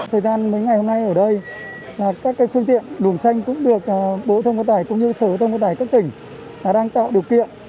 thời gian mấy ngày hôm nay ở đây là các phương tiện luồng xanh cũng được bộ thông các tài cũng như sở thông các tài các tỉnh đang tạo điều kiện